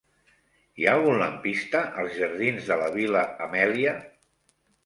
Hi ha algun lampista als jardins de la Vil·la Amèlia?